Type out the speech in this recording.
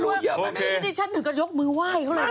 อ๋อหลือใครที่ผิดหูดกันนี่ฉันถึงเรือกมือไหวเพราะแม่น